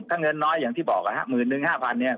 ถ้าเงินน้อยอย่างที่บอกมือหนึ่งห้าพันเนี่ย